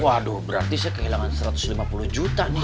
waduh berarti saya kehilangan satu ratus lima puluh juta nih